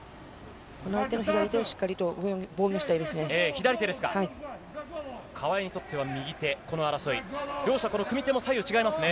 相手の左手をしっかりと防御したいですね。